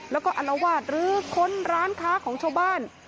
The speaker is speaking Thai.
แล้วก็อลวาดรื้อค้นร้านค้าของชาวบ้าน